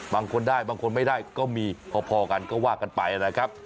บางคนได้บางคนไม่ได้ก็มีพอกันก็ว่ากันไปนะครับ